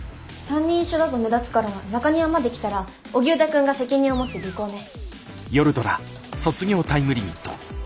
３人一緒だと目立つから中庭まで来たら荻生田くんが責任を持って尾行ね。